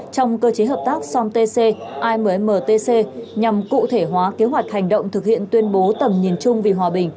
trong cơ chế hợp tác song tc ammtc nhằm cụ thể hóa kế hoạch hành động thực hiện tuyên bố tầng nhìn chung vì hòa bình